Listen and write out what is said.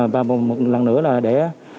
và một lần nữa là để